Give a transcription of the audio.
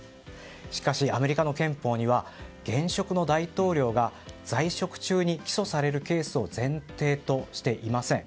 しかし、アメリカの憲法には現職の大統領が在職中に起訴されるケースを前提としていません。